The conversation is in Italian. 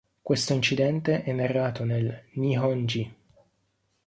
Questo incidente è narrato nel "Nihongi".